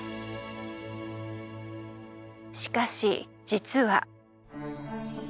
しかし実は。